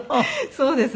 そうですね。